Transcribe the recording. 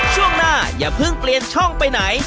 ช่วงหน้าอย่าเพิ่งเปลี่ยนช่องไปไหน